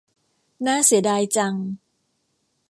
น่าเสียดายจัง